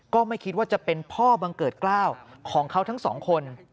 ก็ไม่คิดว่าจะเป็นพ่อบังเกิดกล้าวของเขาทั้งสองคน